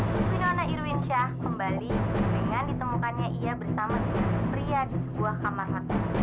winona irwinsyah kembali dengan ditemukannya ia bersama pria di sebuah kamar